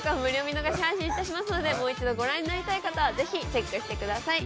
見逃し配信いたしますのでもう一度ご覧になりたい方はぜひチェックしてください。